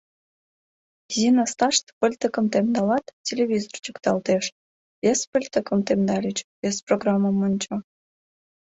Изи насташте пыльтыкым темдалат — телевизор чӱкталтеш, вес пыльтыкым темдальыч — вес программым ончо.